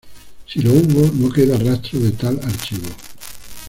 Si lo hubo, no queda rastro de tal archivo.